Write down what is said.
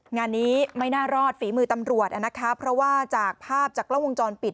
งานนี้ไม่น่ารอดฝีมือตำรวจนะคะเพราะว่าจากภาพจากกล้องวงจรปิด